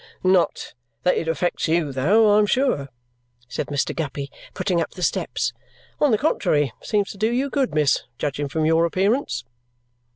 "Not that it affects you, though, I'm sure," said Mr. Guppy, putting up the steps. "On the contrary, it seems to do you good, miss, judging from your appearance."